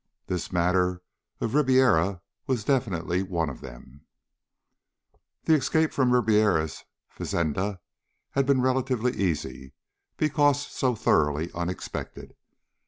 This matter of Ribiera was definitely one of them. The escape from Ribiera's fazenda had been relatively easy, because so thoroughly unexpected.